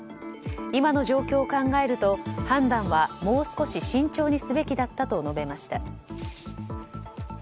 今の状況を考えると判断はもう少し慎重にすべきだったと述べました。